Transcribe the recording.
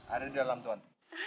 ada di dalam tuan